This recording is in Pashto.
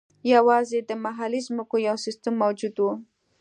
یوازې د محلي ځمکو یو سیستم موجود و.